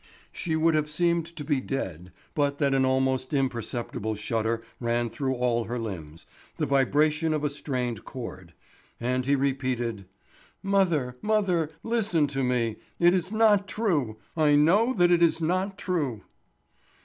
She would have seemed to be dead but that an almost imperceptible shudder ran through all her limbs, the vibration of a strained cord. And he repeated: "Mother, mother, listen to me. It is not true. I know that it is not true."